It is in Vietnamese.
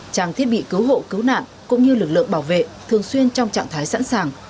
trang thiết bị cứu hộ cứu nạn cũng như lực lượng bảo vệ thường xuyên trong trạng thái sẵn sàng